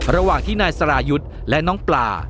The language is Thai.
ระหว่างที่นายสรายุทธ์และน้องปลา